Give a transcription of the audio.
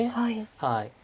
はい。